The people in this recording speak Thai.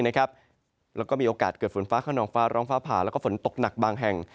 แล้วก็มีโอกาสเกิดฝนฟ้าขนองฟ้าร้องฟ้าผ่าแล้วก็ฝนตกหนักบางแห่ง